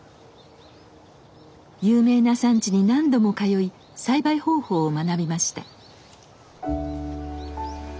有名な産地に何度も通い栽培方法を学びました。